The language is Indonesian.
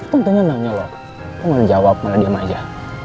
tentunya nanya loh kok mau jawab mau diam aja